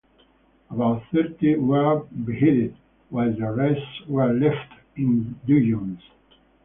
About thirty were beheaded, while the rest were left in dungeons.